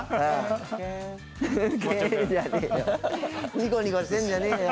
ニコニコしてんじゃねえよ